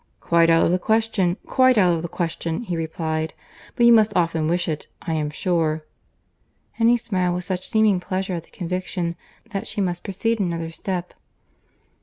"Quite out of the question, quite out of the question," he replied;—"but you must often wish it, I am sure." And he smiled with such seeming pleasure at the conviction, that she must proceed another step.